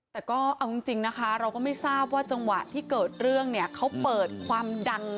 แต่ก็เอาจริงนะคะเราก็ไม่ทราบว่าจังหวะที่เกิดเรื่องเนี่ยเขาเปิดความดัง